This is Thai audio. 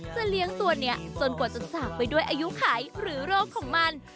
เลี้ยงตัวนี้จนกว่าจะสากไปด้วยอายุไขหรือโรคของมัน